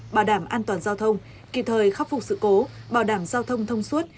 bảo đảm an toàn giao thông kịp thời khắc phục sự cố bảo đảm giao thông thông suốt